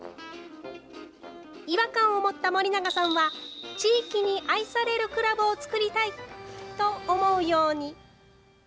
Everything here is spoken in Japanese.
違和感を持った森永さんは、地域に愛されるクラブを作りたいと思うように。